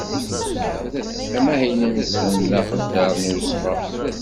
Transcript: Amahil-nsen d aqedder n usɣar.